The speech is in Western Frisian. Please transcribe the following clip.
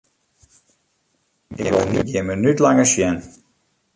Ik wol dyn gjin minút langer sjen!